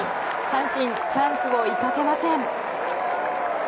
阪神、チャンスを生かせません。